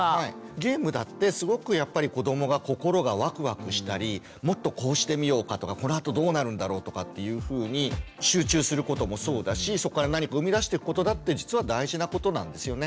ゲームだってすごくやっぱり子どもが心がワクワクしたりもっとこうしてみようかとかこのあとどうなるんだろうとかっていうふうに集中することもそうだしそこから何かを生み出してくことだって実は大事なことなんですよね。